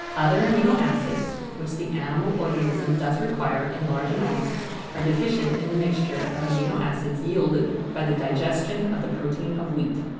Other amino acids which the animal organism does require in large amounts are deficient in the mixture of amino acids yielded by the digestion of the protein of wheat.